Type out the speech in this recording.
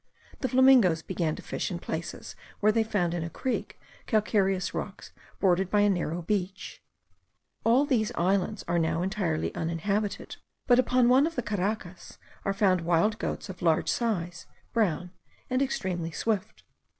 The flamingoes began to fish in places where they found in a creek calcareous rocks bordered by a narrow beach. All these islands are now entirely uninhabited; but upon one of the Caracas are found wild goats of large size, brown, and extremely swift.